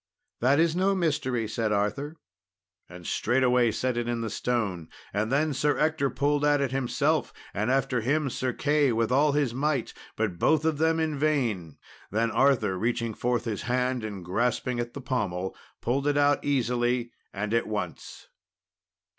"That is no mystery," said Arthur; and straightway set it in the stone. And then Sir Ector pulled at it himself, and after him Sir Key, with all his might, but both of them in vain: then Arthur reaching forth his hand and grasping at the pommel, pulled it out easily, and at once.